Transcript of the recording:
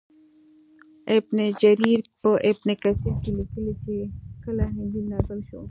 ابن جریر په ابن کثیر کې لیکلي چې کله انجیل نازل شو.